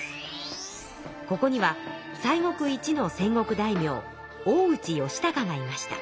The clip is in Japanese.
ここには西国一の戦国大名大内義隆がいました。